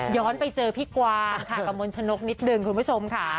ย้อนไปเจอพี่กวางกับมนต์ชนกนิดหนึ่งคุณผู้ชมค่ะ